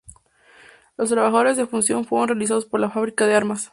Los trabajos de fundición fueron realizados por la Fábrica de Armas.